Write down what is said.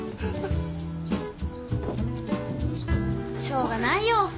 しょうがないよ。